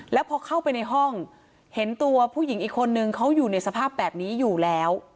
แล้วพอเข้าไปในห้องเห็นตัวผู้หญิงอีกคนนึงเขาอยู่ในสภาพแบบนี้อยู่แล้ว